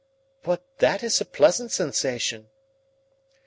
"But that is a pleasant sensation."